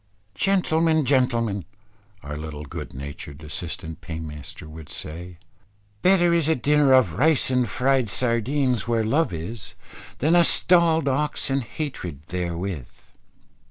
"Gentlemen, gentlemen," our little good natured assistant paymaster would say; "better is a dinner of rice and fried sardines, where love is, than a stallëd ox and hatred therewith."